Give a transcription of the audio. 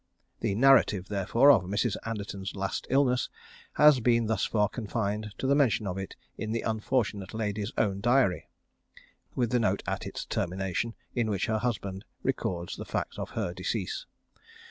The narrative, therefore, of Mrs. Anderton's last illness has been thus far confined to the mention of it in the unfortunate lady's own diary, with the note at its termination, in which her husband records the fact of her decease.